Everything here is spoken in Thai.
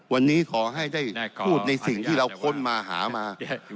วันนี้ขอให้ได้พูดในสิ่งที่เราค้นมาหามา